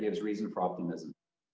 alasan untuk optimisme